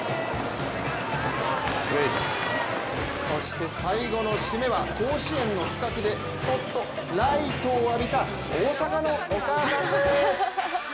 そして、最後の締めは甲子園の企画でスポットライトを浴びた大阪のお母さんです！